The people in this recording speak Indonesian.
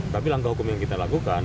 tapi langkah hukum yang kita lakukan